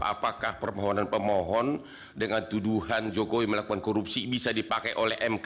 apakah permohonan pemohon dengan tuduhan jokowi melakukan korupsi bisa dipakai oleh mk